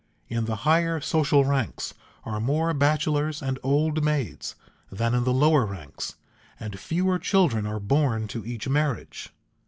In the higher social ranks are more bachelors and old maids than in the lower ranks, and fewer children are born to each marriage.